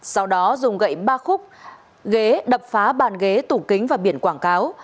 sau đó dùng gậy ba khúc ghế đập phá bàn ghế tủ kính và biển quảng cáo